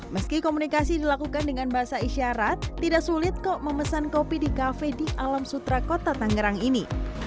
meski komunikasi dilakukan dengan bahasa isyarat tidak sulit kok memesan kopi di kafe di alam sutra kota tangerang ini